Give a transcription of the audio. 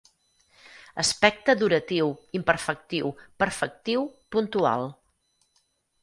Aspecte duratiu, imperfectiu, perfectiu, puntual.